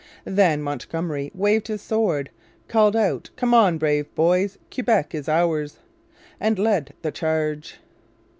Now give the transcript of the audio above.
Then Montgomery waved his sword, called out 'Come on, brave boys, Quebec is ours!' and led the charge.